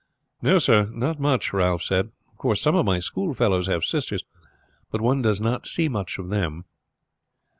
"No, sir; not much," Ralph said. "Of course some of my schoolfellows have sisters, but one does not see much of them."